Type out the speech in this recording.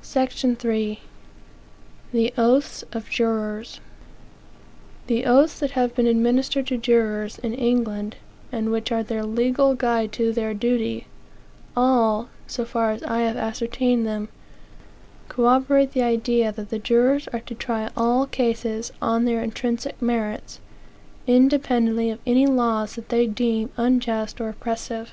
SECTION III. The Oaths of Jurors. The oaths that have been administered to jurors, in England, and which are their legal guide to their duty, all (so far as I have ascertained them) corroborate the idea that the jurors are to try all cases on their intrinsic merits, independently of any laws that they deem unjust or oppressive.